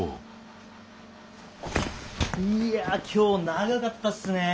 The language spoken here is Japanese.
いや今日長かったっすねぇ。